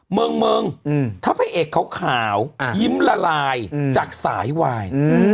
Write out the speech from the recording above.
เมิงถัดให้เอกเขาข่าวยิ้มละลายจากสายวาย